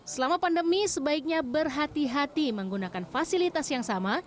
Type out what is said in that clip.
selama pandemi sebaiknya berhati hati menggunakan fasilitas yang sama